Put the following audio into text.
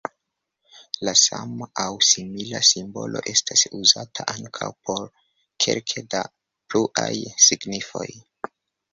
La sama aŭ simila simbolo estas uzata ankaŭ por kelke da pluaj signifoj.